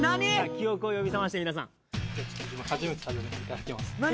記憶を呼び覚まして皆さん初めて食べますいただきます